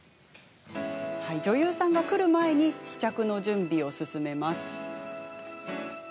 女優さんが来る前に試着の準備を進めます。